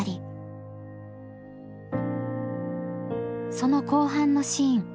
その後半のシーン。